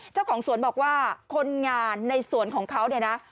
เจ้าของสวนบอกว่าคนงานในสวนของเขาเนี่ยนะ